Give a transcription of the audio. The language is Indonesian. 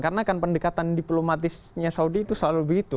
karena kan pendekatan diplomatisnya saudi itu selalu begitu